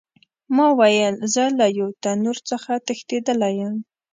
ما ویل زه له یو تنور څخه تښتېدلی یم.